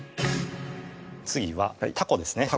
次はたこですねた